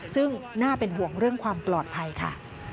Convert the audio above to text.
ซึ่งน่าเป็นห่วงเรื่องความปลอดภัยค่ะ